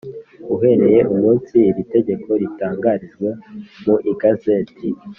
Uhereye umunsi iri tegeko ritangarijwe mu igazeti